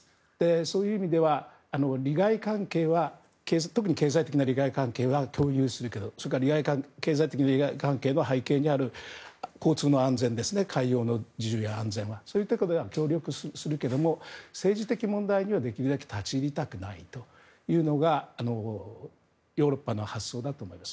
そういう意味では特に経済的な利害関係は共有するけど、それから経済的な利害関係の背景にある交通の安全海洋の自由や安全そういったところでは協力するけども政治的問題には、できるだけ立ち入りたくないというのがヨーロッパの発想だと思います。